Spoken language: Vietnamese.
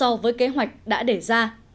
đó là một năm so với kế hoạch đã đề ra